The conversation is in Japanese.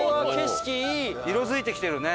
色付いてきてるね。